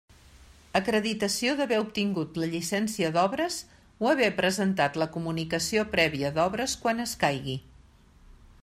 Acreditació d'haver obtingut la llicència d'obres o haver presentat la comunicació prèvia d'obres quan escaigui.